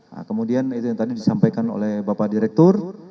nah kemudian itu yang tadi disampaikan oleh bapak direktur